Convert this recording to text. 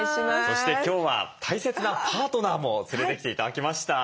そして今日は大切なパートナーも連れてきて頂きました。